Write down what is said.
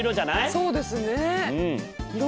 そうですね。